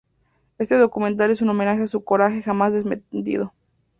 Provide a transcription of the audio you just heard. Este documental es un homenaje a su coraje jamás desmentido.